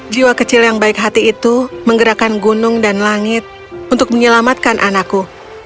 jiwa kecil yang baik hati itu menggerakkan gunung dan langit untuk menyelamatkan anakku